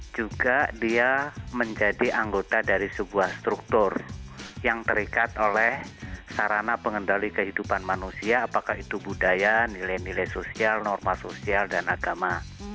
juga dia menjadi anggota dari sebuah struktur yang terikat oleh sarana pengendali kehidupan manusia apakah itu budaya nilai nilai sosial norma sosial dan agama